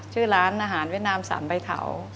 ชื่อร้านอาหารเวียดนาม๓ใบเถา